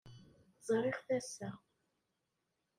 Ẓṛiɣ-t ass-a.